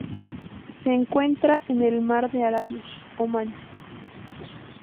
Se encuentra en el Mar de Arabia: Omán.